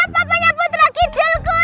papanya putra kidulku